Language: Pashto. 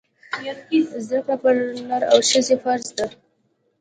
زده کړه پر نر او ښځي فرځ ده